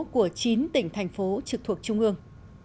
của chín tỉnh thành phố trực thuộc trung ương